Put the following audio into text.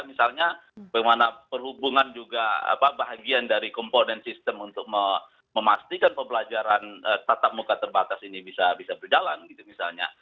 misalnya bagaimana perhubungan juga bagian dari komponen sistem untuk memastikan pembelajaran tatap muka terbatas ini bisa berjalan gitu misalnya